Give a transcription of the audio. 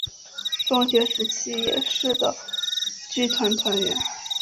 中学时期也是的剧团团员。